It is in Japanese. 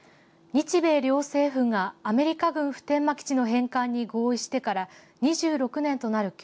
日米両政府がアメリカ軍普天間基地の返還に合意してからきょうで２６年になります。